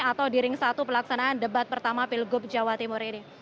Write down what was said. atau di ring satu pelaksanaan debat pertama pilgub jawa timur ini